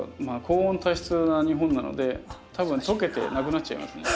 高温多湿な日本なので多分溶けて無くなっちゃいますね。